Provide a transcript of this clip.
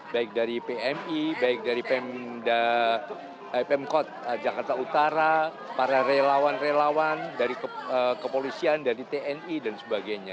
baik dari pmi baik dari pemkot jakarta utara para relawan relawan dari kepolisian dari tni dan sebagainya